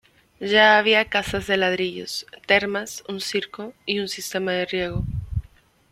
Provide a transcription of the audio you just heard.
Ya había casas de ladrillos, termas, un circo, y un sistema de riego.